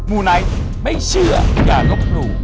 ูไนท์ไม่เชื่ออย่าลบหลู่